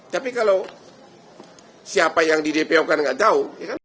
tapi kalau siapa yang di dpo kan nggak tahu